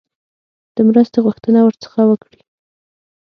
د مرستې غوښتنه ورڅخه وکړي.